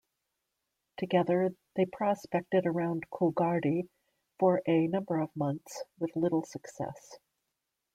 Together, they prospected around Coolgardie for a number of months, with little success.